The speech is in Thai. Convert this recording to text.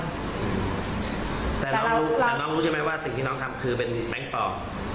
เนองรู้รู้ช่วยไหมว่าสิ่งที่นองทำคือแบงค์ปลอม